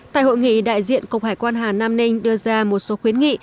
tại hội nghị đại diện cục hải quan hà nam ninh đưa ra một số khuyến nghị